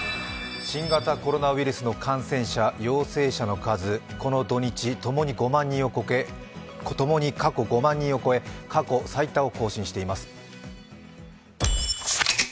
新型コロナウイルスの感染者、陽性者の数、この土日、ともに５万人を超え過去最多を更新しています。